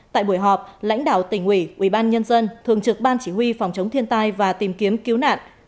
tại buổi họp lãnh đạo tỉnh ủy ủy ban nhân dân thường trực ban chỉ huy phòng chống thiên tai và tìm kiếm cứu nạn